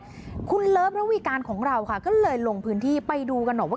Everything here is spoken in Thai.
วันนี้คุณเลิฟระวีการของเราค่ะก็เลยลงพื้นที่ไปดูกันหน่อยว่า